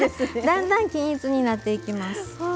だんだん均一になっていきます。